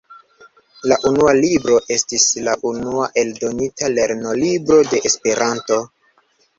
La "Unua Libro" estis la unua eldonita lernolibro de Esperanto.